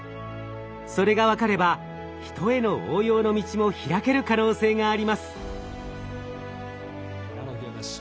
それが分かればヒトへの応用の道も開ける可能性があります。